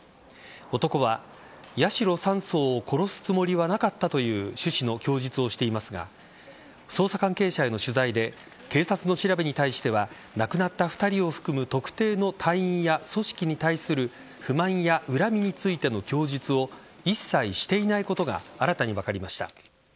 男は八代３曹を殺すつもりはなかったという趣旨の供述をしていますが捜査関係者への取材で警察の調べに対しては亡くなった２人を含む特定の隊員や組織に対する不満や恨みについての供述を一切していないことが新たに分かりました。